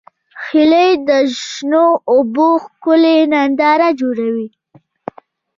هیلۍ د شنو اوبو ښکلې ننداره جوړوي